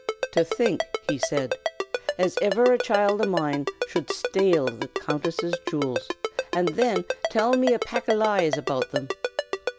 "To think," he said, "as iver a child o' mine shud shtale the Countess's jew'ls, an' thin till me a pack o' lies about thim!